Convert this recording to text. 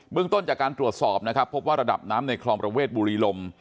เรื่องต้นจากการตรวจสอบนะครับพบว่าระดับน้ำในคลองประเวทบุรีลม